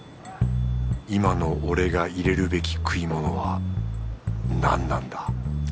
今の俺が入れるべき食い物は何なんだ？